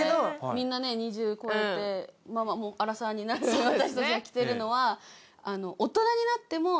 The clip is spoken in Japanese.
みんなね２０超えてアラサーになる私たちが着てるのは。